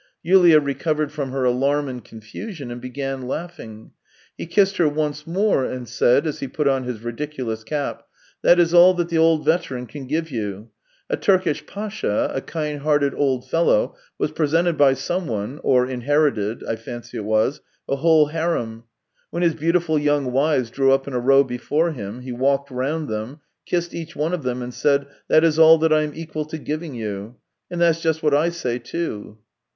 Yulia recovered from her alarm and confusion, and began laughing. He kissed her once more and said, as he put on his ridiculous cap: " That is all that the old veteran can give you. A Turkish Pasha, a kind hearted old fellow, was presented by someone — or inherited, I fancy it was — a whole harem. When his beautiful young wives drew up in a row before him, he walked round them, kissed each one of them, and said: ' That is all that I am equal to giving you.' And that's just what I say, too."